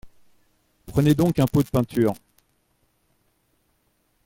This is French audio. Prenez donc un pot de peinture